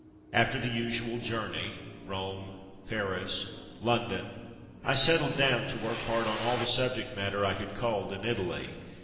After the usual journey — Rome, Paris, London — I settled down to work hard on all the subject matter I had culled in Italy.